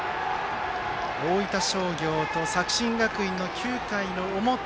大分商業と作新学院の９回の表。